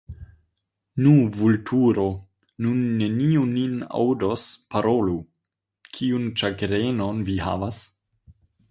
Nu, Vulturo, nun neniu nin aŭdos, parolu: kiun ĉagrenon vi havas?